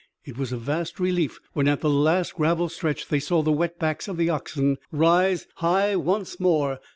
It was a vast relief when at the last gravel stretch they saw the wet backs of the oxen rise high once more.